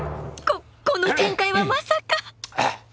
ここの展開はまさか！？